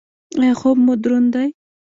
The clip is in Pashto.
ایا خوب مو دروند دی؟